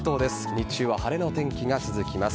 日中は晴れの天気が続きます。